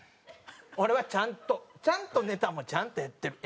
俺はちゃんとちゃんとネタもちゃんとやってる。